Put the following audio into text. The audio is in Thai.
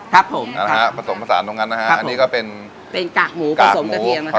ครับผมนะฮะผสมผสานตรงนั้นนะฮะอันนี้ก็เป็นเป็นกากหมูผสมกระเทียมนะครับ